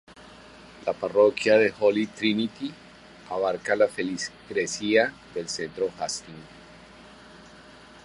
La parroquia del Holy Trinity abarca la feligresía del centro de Hastings.